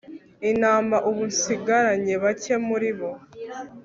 intama. ubu nsigaranye bake muri bo